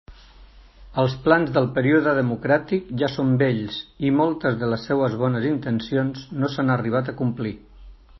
Els plans del període democràtic ja són vells i moltes de les seues bones intencions no s'han arribat a complir.